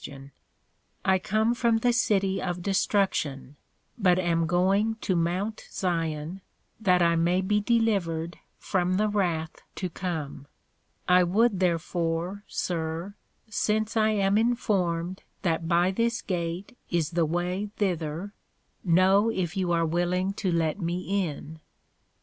I come from the City of Destruction, but am going to Mount Zion, that I may be delivered from the wrath to come. I would therefore, Sir, since I am informed that by this Gate is the way thither, know if you are willing to let me in.